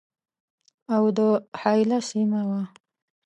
اَوَد حایله سیمه وه.